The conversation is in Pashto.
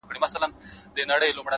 د زړه په هر درب كي مي ته اوســېږې.